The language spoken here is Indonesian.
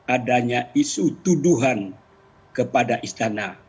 adanya isu tuduhan kepada istana